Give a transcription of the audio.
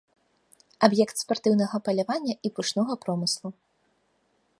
Аб'ект спартыўнага палявання і пушнога промыслу.